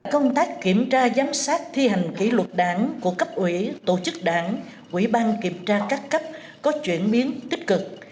công tác kiểm tra giám sát thi hành kỷ luật đảng của cấp ủy tổ chức đảng quỹ ban kiểm tra các cấp có chuyển biến tích cực